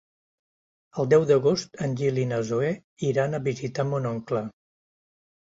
El deu d'agost en Gil i na Zoè iran a visitar mon oncle.